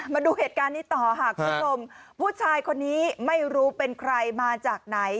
มาดูเหตุการณ์นี้ต่อหากผู้ชายคนนี้ไม่รู้เป็นใครมาจากไหน